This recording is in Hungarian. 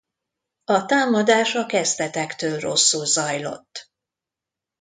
A támadás a kezdetektől rosszul zajlott.